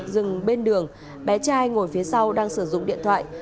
dừng bên đường bé trai ngồi phía sau đang sử dụng điện thoại